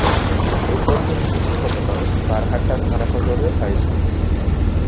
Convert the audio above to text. এরপর তিনি শিক্ষকতা করেন বারহাট্টা থানা সদরের হাইস্কুলে।